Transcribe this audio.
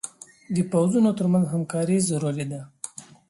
د پوځونو تر منځ همکاري ضروري ده.